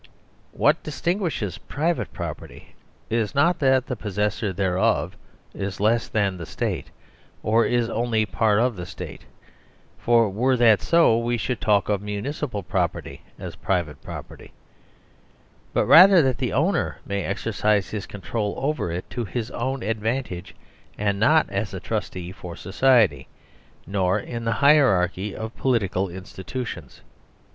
What dis tinguishes private property is not that the posses sor thereof is less than the State, or is only a part of the State (for were that so we should talk of muni cipal property as private property), but rather that the owner may exercise his control over it to his own advantage, and not as a trustee for society, nor in the hierarchy of political institutions.